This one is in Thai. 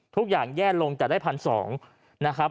ทุกอย่างแย่ลงจะได้๑๒๐๐บาท